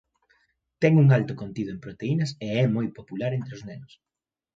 Ten un alto contido en proteínas e é moi popular entre os nenos.